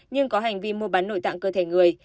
nhưng có hành vi mua bán nội tạng cơ thể người